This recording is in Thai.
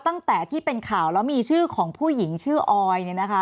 ตั้งแต่ที่เป็นข่าวแล้วมีชื่อของผู้หญิงชื่อออยเนี่ยนะคะ